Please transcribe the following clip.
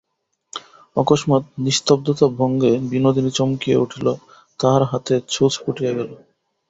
অকসমাৎ নিঃশব্দতাভঙ্গে বিনোদিনী চমকিয়া উঠিল–তাহার হাতে ছুঁচ ফুটিয়া গেল।